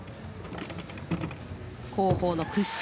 後方の屈身